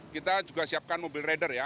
kita juga siapkan mobil radar ya